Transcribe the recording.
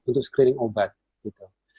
untuk screening obat